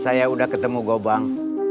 saya udah ketemu gopang